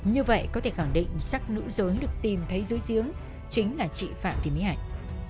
như vậy có thể khẳng định sắc nữ giới được tìm thấy dưới giếng chính là chị phạm thị mỹ hạnh